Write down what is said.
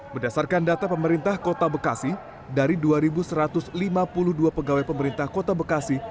berdasarkan data pemerintah kota bekasi dari dua satu ratus lima puluh dua pegawai pemerintah kota bekasi